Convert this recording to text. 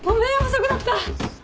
遅くなった！